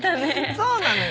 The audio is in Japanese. そうなのよ。